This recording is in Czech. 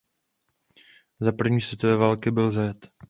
Za první světové války byl zajat.